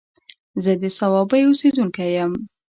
زه د صوابۍ اوسيدونکی يم